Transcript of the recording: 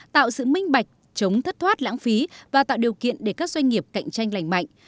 tạo sự minh bạch chống thất thoát lãng phí và tạo điều kiện để các doanh nghiệp cạnh tranh lành mạnh